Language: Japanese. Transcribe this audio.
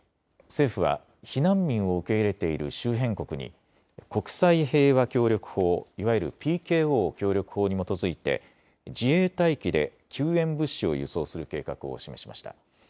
政府は避難民を受け入れている周辺国に国際平和協力法、いわゆるＰＫＯ協力法に基づいて自衛隊機で救援物資を輸送する計画を示しました。